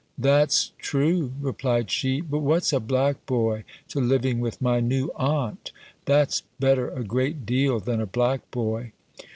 "That's true," replied she: "but what's a black boy to living with my new aunt? That's better a great deal than a black boy!"